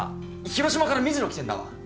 広島から水野来てんだわ。